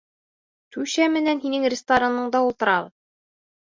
Түщә менән һинең ресторанда ултырабыҙ.